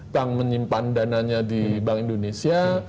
bank menyimpan dananya di bank indonesia